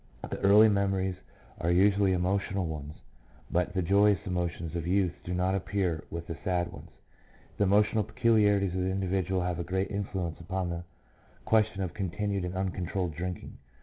The early memories are usually emotional ones, but the joyous emotions of youth do not appear with the sad ones. The emotional peculiarities of the individual have a great influence upon the question of continued and un controlled drinking.